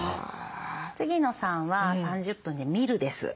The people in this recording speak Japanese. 次の３は３０分で「見る」です。